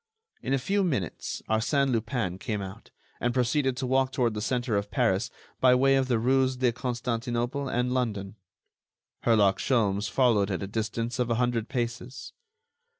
In a few minutes Arsène Lupin came out, and proceeded to walk toward the center of Paris by way of the rues de Constantinople and London. Herlock Sholmes followed at a distance of a hundred paces.